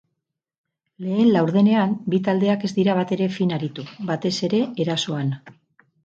Lehen laurdenean bi taldeak ez dira batere fin aritu, batez ere erasoan.